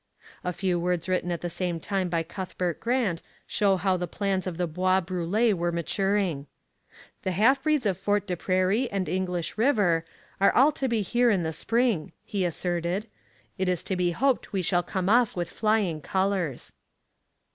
A few words written at the same time by Cuthbert Grant show how the plans of the Bois Brûlés were maturing. 'The Half breeds of Fort des Prairies and English River are all to be here in the spring,' he asserted; 'it is to be hoped we shall come off with flying colours.'